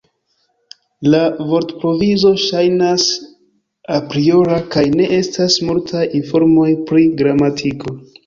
La vortprovizo ŝajnas apriora kaj ne estas multaj informoj pri gramatiko.